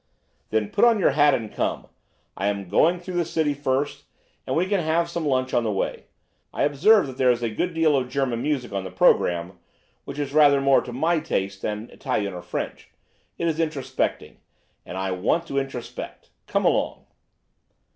"Then put on your hat and come. I am going through the City first, and we can have some lunch on the way. I observe that there is a good deal of German music on the programme, which is rather more to my taste than Italian or French. It is introspective, and I want to introspect. Come along!"